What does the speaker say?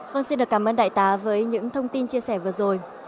vâng xin được cảm ơn đại tá với những thông tin chia sẻ vừa rồi